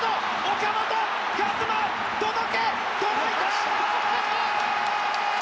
岡本和真、届け、届いた！